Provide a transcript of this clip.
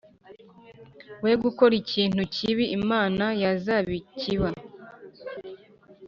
We gukora ikintu kibi imana yazabikiba